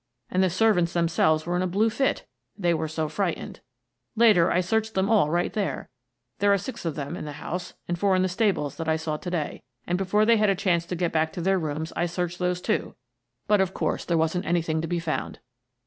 And the servants themselves were in a blue fit, they were so frightened. Later, I searched them all right there — there are six of them in the house and four in the stables that I saw to day, and before they had a chance to get back to their rooms I searched those, too — but, of course, there wasn't anything to be found."